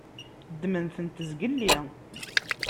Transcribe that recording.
Ddmen-tent zgelli.